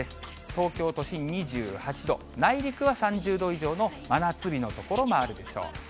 東京都心２８度、内陸は３０度以上の真夏日の所もあるでしょう。